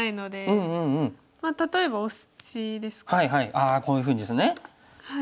ああこういうふうにですね。